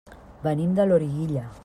Venim de Loriguilla.